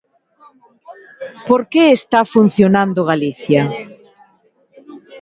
¿Por que está funcionando Galicia?